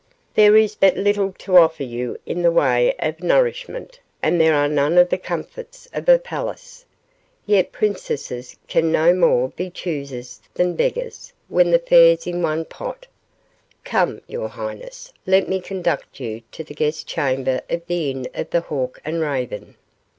There is but little to offer you in the way of nourishment, and there are none of the comforts of a palace. Yet princesses can no more be choosers than beggars when the fare's in one pot. Come, your highness, let me conduct you to the guest chamber of the Inn of the Hawk and Raven."